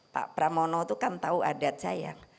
pak pramono itu kan tahu adat saya